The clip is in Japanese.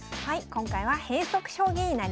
今回は変則将棋になります。